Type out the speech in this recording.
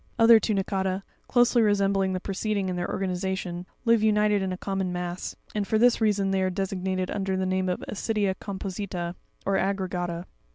29. Other Tunicata, closely resembling the preceding in their organization, live united in a common mass, and for this reason they are designated under the name of AscrpIa composITa or Acerscata.